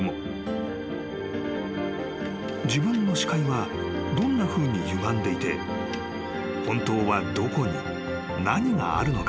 ［自分の視界はどんなふうにゆがんでいて本当はどこに何があるのか？］